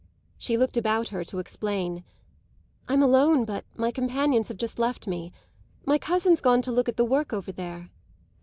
She looked about her to explain. "I'm alone, but my companions have just left me. My cousin's gone to look at the work over there."